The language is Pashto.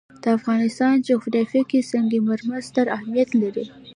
د افغانستان جغرافیه کې سنگ مرمر ستر اهمیت لري.